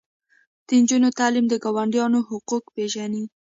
د نجونو تعلیم د ګاونډیانو حقوق پیژني.